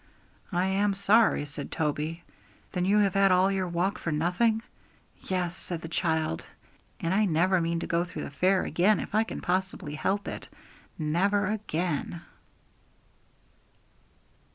'I am sorry,' said Toby. 'Then you have had all your walk for nothing?' 'Yes,' said the child; 'and I never mean to go through the fair again if I can possibly help it never again!'